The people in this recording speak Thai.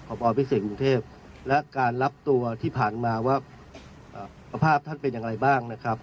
พบพิเศษกรุงเทพและการรับตัวที่ผ่านมาว่าสภาพท่านเป็นอย่างไรบ้างนะครับ